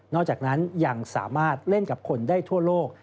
อกจากนั้นยังสามารถเล่นกับคนได้ทั่วโลก